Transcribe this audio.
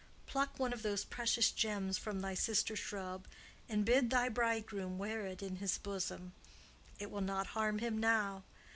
Pluck one of those precious gems from thy sister shrub and bid thy bridegroom wear it in his bosom. It will not harm him now.